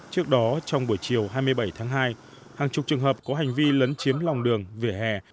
trước đó trong buổi chiều hai mươi bảy tháng hai hàng chục trường hợp có hành vi lấn chiếm lòng đường vỉa hè